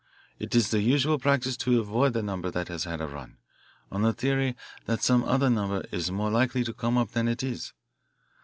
It is the usual practice to avoid a number that has had a run, on the theory that some other number is more likely to come up than it is.